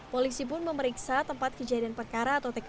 polisi pun memeriksa tempat kejadian perkara atau tkp